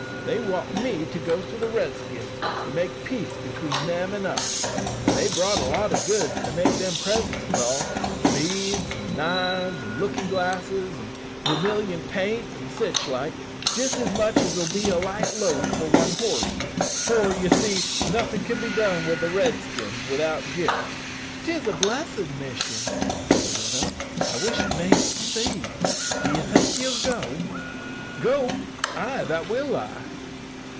They want me to go to the Redskins to make peace between them and us; and they've brought a lot o' goods to make them presents withal beads, an' knives, an' lookin' glasses, an' vermilion paint, an' sich like, jist as much as'll be a light load for one horse for, ye see, nothin' can be done wi' the Redskins without gifts." "'Tis a blessed mission," said the widow; "I wish it may succeed. D'ye think ye'll go?" "Go? ay, that will I."